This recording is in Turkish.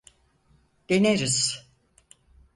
Deneriz.